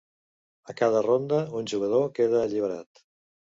A cada ronda un jugador queda alliberat.